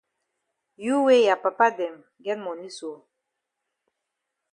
You wey ya papa dem get moni so!